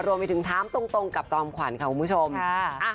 รวมไปถึงท้ามตรงกับจอมขวัญของคุณผู้ชมค่ะ